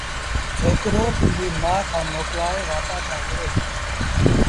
ڇوڪرو پنڊريٚ مآ کآݩ موڪلآئي وآپآر ڏآݩهݩ وهُڙو